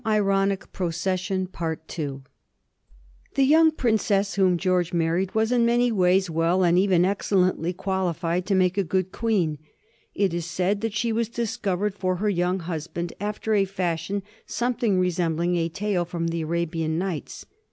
[Sidenote: 1760 Princess Charlotte Sophia] The young Princess whom George married was in many ways well and even excellently qualified to make a good queen. It is said that she was discovered for her young husband after a fashion something resembling a tale from the "Arabian Nights."